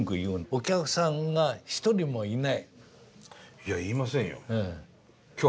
いや言いませんよ。